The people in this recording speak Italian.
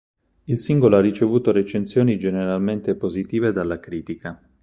Il singolo ha ricevuto recensioni generalmente positive dalla critica.